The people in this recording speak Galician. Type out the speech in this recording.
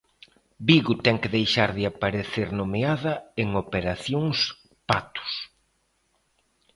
Vigo ten que deixar de aparecer nomeada en operacións Patos.